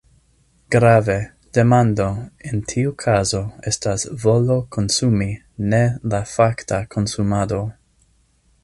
Grave: demando, en tiu kazo, estas volo konsumi, ne la fakta konsumado.